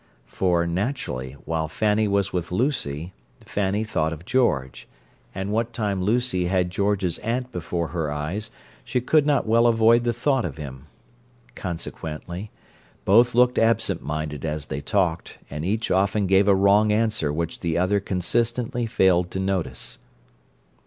For, naturally, while Fanny was with Lucy, Fanny thought of George, and what time Lucy had George's aunt before her eyes she could not well avoid the thought of him. Consequently, both looked absent minded as they talked, and each often gave a wrong answer which the other consistently failed to notice.